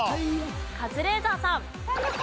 カズレーザーさん。